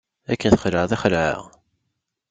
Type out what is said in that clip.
Akken txelεeḍ i xelεeɣ.